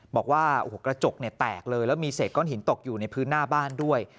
บอกว่าโอ้โหกระจกเนี่ยแตกเลยแล้วมีเศษก้อนหินตกอยู่ในพื้นหน้าบ้านด้วย